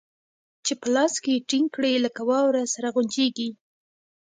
چې په لاس کښې يې ټينګ کړې لکه واوره سره غونجېږي.